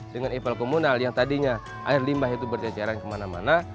dengan ipal komunal yang tadinya air limbah itu berceceran kemana mana